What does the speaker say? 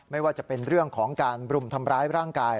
ไม่ว่าจะเป็นเรื่องของการบรุมทำร้ายร่างกาย